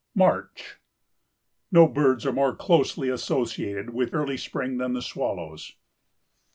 March. No birds are more closely associated with early spring than the swallows.